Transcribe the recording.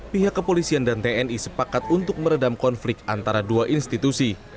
pihak kepolisian dan tni sepakat untuk meredam konflik antara dua institusi